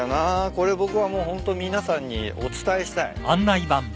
これ僕はもうホント皆さんにお伝えしたい。